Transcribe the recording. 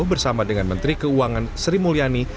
bersama dengan menteri keuangan sri mulyani